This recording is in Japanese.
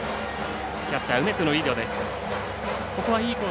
キャッチャー、梅津のリードです。